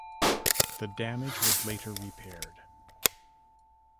The damage was later repaired.